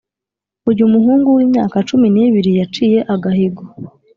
Uyu muhungu w'imyaka cumi n’ibiri yaciye agahigo